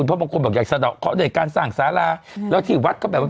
เพราะบางคนบอกอยากสะดอกเคาะด้วยการสร้างสาราแล้วที่วัดก็แบบว่า